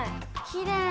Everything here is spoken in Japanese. きれい。